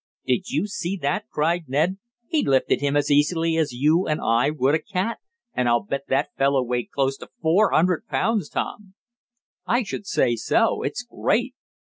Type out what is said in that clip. "Did you see that!" cried Ned. "He lifted him as easily as you or I would a cat, and I'll bet that fellow weighed close to four hundred pounds, Tom." "I should say so! It's great!"